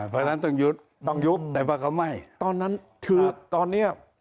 เพราะฉะนั้นต้องยุบ